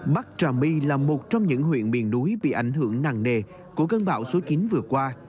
bắc trà my là một trong những huyện miền núi bị ảnh hưởng nặng nề của cơn bão số chín vừa qua